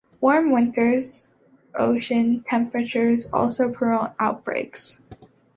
Warmer winter ocean temperatures also promote outbreaks.